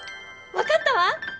わかったわ！